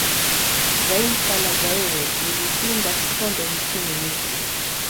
zaifa la Zaire lilishinda kikombe nchini misri